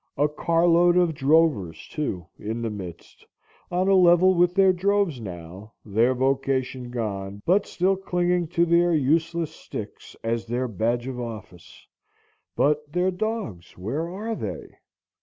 A car load of drovers, too, in the midst, on a level with their droves now, their vocation gone, but still clinging to their useless sticks as their badge of office. But their dogs, where are they?